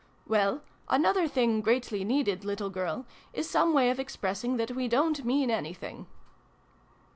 " Well, another thing greatly needed, little girl, is some way of expressing that we dorit mean anything."